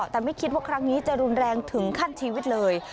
แต่ไม่คิดว่าครั้งนี้จะรุนแรงถึงขั้นชีวิตเลย